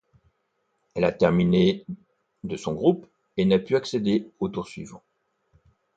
Elle a terminé de son groupe et n'a pu accéder au tour suivant.